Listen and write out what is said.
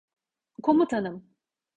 Komutanım.